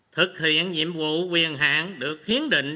thực hiện nhiệm vụ quyền hạn được khiến định